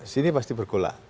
sini pasti bergola